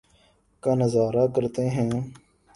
کا نظارہ کرتے ہیں